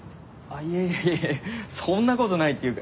いやいやそんなことないっていうか。